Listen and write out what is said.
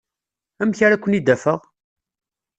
Amek ara ken-id-afeɣ?